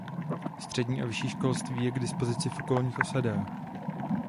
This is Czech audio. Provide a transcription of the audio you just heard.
Střední a vyšší školství je k dispozici v okolních osadách.